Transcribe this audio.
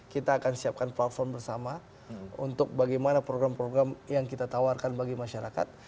kita akan siapkan platform bersama untuk bagaimana program program yang kita tawarkan bagi masyarakat